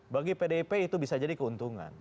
bagi pdip itu bisa jadi keuntungan